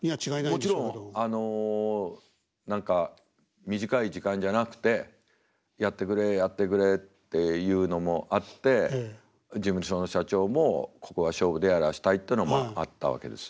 もちろん何か短い時間じゃなくて「やってくれやってくれ」っていうのもあって事務所の社長もここは勝負でやらせたいっていうのもあったわけです。